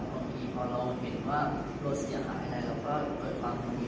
บางทีพอเราเห็นว่ารถเสียหายแล้วเราก็เกิดความพอดี